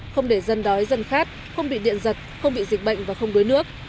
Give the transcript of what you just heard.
không để dân đói dân khát không bị điện giật không bị dịch bệnh và không đuối nước